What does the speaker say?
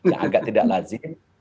agak tidak lazim